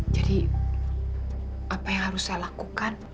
jadi apa yang harus saya lakukan